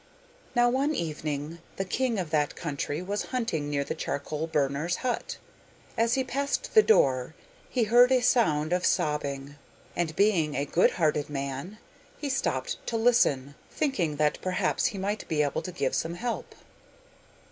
Now one evening the king of that country was hunting near the charcoal burner's hut. As he passed the door, he heard a sound of sobbing, and being a good natured man he stopped to listen, thinking that perhaps he might be able to give some help.